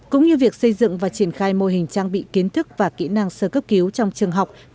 cũng như việc xây dựng và triển khai mô hình trang bị kiến thức và kỹ năng sơ cấp cứu trong trường học